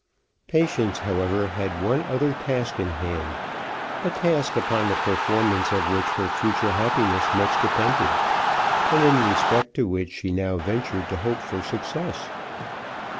Patience, however, had one other task in hand, a task upon the performance of which her future happiness much depended, and in respect to which she now ventured to hope for success.